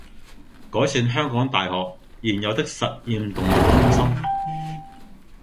改善香港大學現有的實驗動物中心